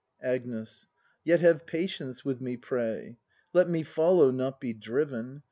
Agnes. Yet have patience with me, pray. Let me follow, not be driven.